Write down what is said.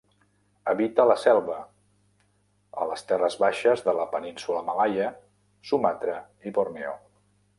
Habita la selva, a les terres baixes de la península Malaia, Sumatra i Borneo.